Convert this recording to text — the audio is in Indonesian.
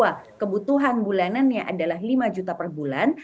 bahwa kebutuhan bulanannya adalah lima juta per bulan